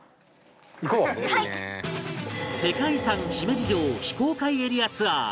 世界遺産姫路城非公開エリアツアー